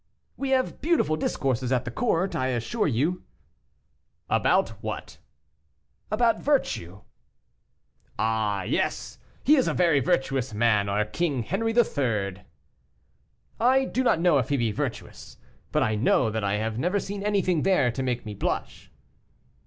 "We have beautiful discourses at the court, I assure you." "About what?" "About virtue." "Ah! yes, he is a very virtuous man, our King Henri III." "I do not know if he be virtuous; but I know that I have never seen anything there to make me blush."